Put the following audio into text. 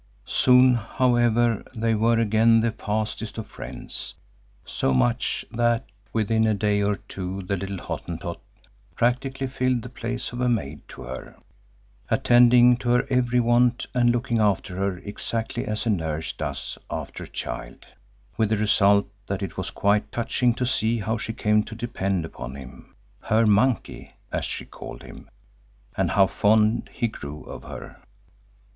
Soon, however, they were again the fastest of friends, so much so that within a day or two the little Hottentot practically filled the place of a maid to her, attending to her every want and looking after her exactly as a nurse does after a child, with the result that it was quite touching to see how she came to depend upon him, "her monkey," as she called him, and how fond he grew of her.